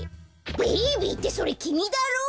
「ベイビー」ってそれきみだろう！